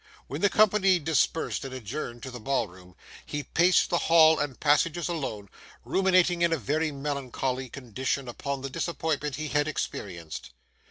When the company dispersed and adjourned to the ball room, he paced the hall and passages alone, ruminating in a very melancholy condition upon the disappointment he had experienced.